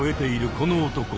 この男。